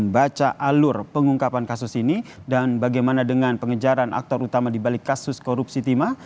baca alur pengungkapan kasus ini dan bagaimana dengan pengejaran aktor utama di balik kasus korupsi timah